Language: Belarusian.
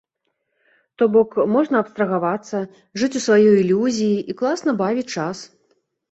То бок, можна абстрагавацца, жыць у сваёй ілюзіі і класна бавіць час.